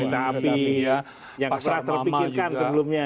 yang pernah terpikirkan sebelumnya ya